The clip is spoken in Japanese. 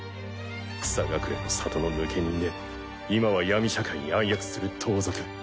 草隠れの里の抜け忍で今は闇社会に暗躍する盗賊。